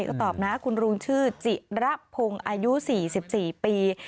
ก็ตอบนะคุณลุงชื่อจิระพงศ์อายุ๔๔ปี